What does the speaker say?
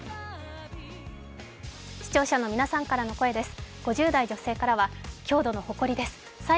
視聴者の皆さんからの声です。